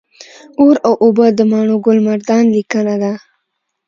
اور او اوبه د ماڼوګل مردان لیکنه ده